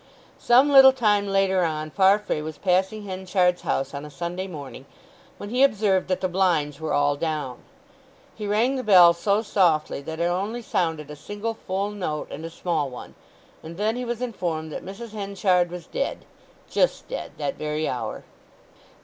Some little time later on Farfrae was passing Henchard's house on a Sunday morning, when he observed that the blinds were all down. He rang the bell so softly that it only sounded a single full note and a small one; and then he was informed that Mrs. Henchard was dead—just dead—that very hour.